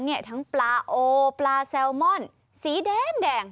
ทั้งปลาโอปลาแซลมอนสีแดง